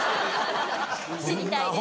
知りたいです。